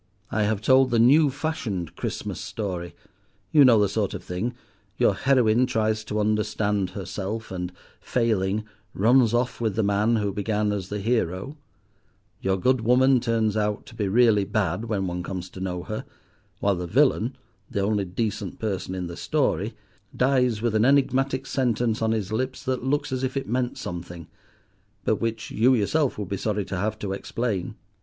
I have told the new fashioned Christmas story—you know the sort of thing: your heroine tries to understand herself, and, failing, runs off with the man who began as the hero; your good woman turns out to be really bad when one comes to know her; while the villain, the only decent person in the story, dies with an enigmatic sentence on his lips that looks as if it meant something, but which you yourself would be sorry to have to explain.